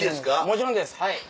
もちろんですはい。